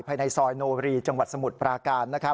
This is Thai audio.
ภายในซอยโนบรีจังหวัดสมุทรปราการ